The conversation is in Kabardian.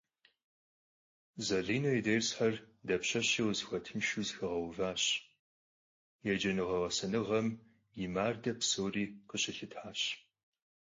Zaline yi dêrsxer dapşeşi khızıxuetınşşeu zexeğeuvaş, yêğecenığe - ğesenığem yi marde psori khışılhıtaş.